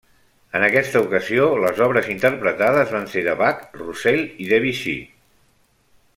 En aquesta ocasió les obres interpretades van ser de Bach, Roussel i Debussy.